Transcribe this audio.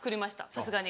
さすがに。